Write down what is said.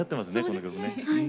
この曲ね。